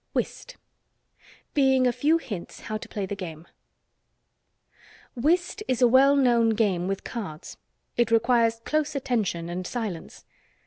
WHIST. Being a Few Hints How to Play the Game. Whist is a well known game with cards. It requires close attention and silence.